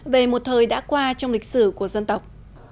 về một thời đã qua trong lịch sử của dân tộc